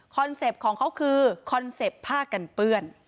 เซ็ปต์ของเขาคือคอนเซ็ปต์ผ้ากันเปื้อน